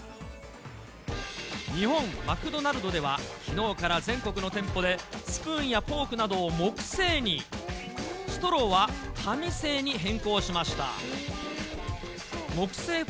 日本マクドナルドでは、きのうから全国の店舗で、スプーンやフォークなどを木製に、ストローは紙製に変更しました。